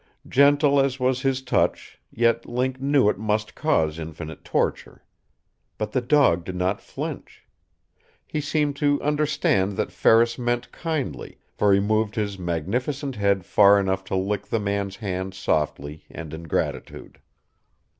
Gentle as was his touch, yet Link knew it must cause infinite torture. But the dog did not flinch. He seemed to understand that Ferris meant kindly, for he moved his magnificent head far enough to lick the man's hand softly and in gratitude.